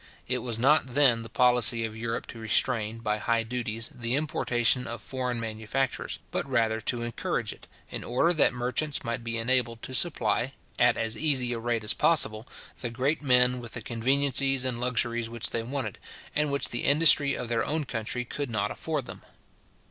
It was not then the policy of Europe to restrain, by high duties, the importation of foreign manufactures, but rather to encourage it, in order that merchants might be enabled to supply, at as easy a rate as possible, the great men with the conveniencies and luxuries which they wanted, and which the industry of their own country could not afford them.